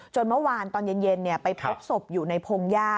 เมื่อวานตอนเย็นไปพบศพอยู่ในพงหญ้า